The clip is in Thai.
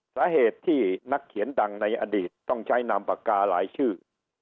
สาเหตุที่นักเขียนดังในอดีตต้องใช้นามปากกาหลายชื่อ